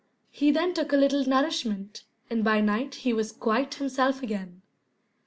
He then took a little nourishment, and by night he was quite himself again.